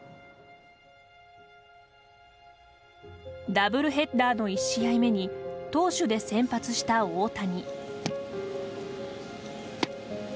ダブルヘッダーの１試合目に投手で先発した大谷。